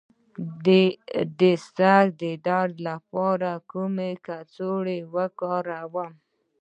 د سر د درد لپاره کومه کڅوړه وکاروم؟